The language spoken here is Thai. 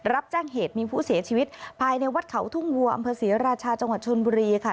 รับแจ้งเหตุมีผู้เสียชีวิตภายในวัดเขาทุ่งวัวอำเภอศรีราชาจังหวัดชนบุรีค่ะ